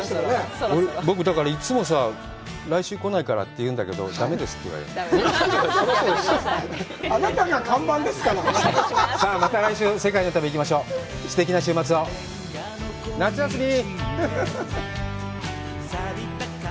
僕だからいつもさ来週来ないからって言うんだけどダメですって言われるダメですあなたが看板ですからさぁまた来週世界の旅行きましょうすてきな週末を夏休み！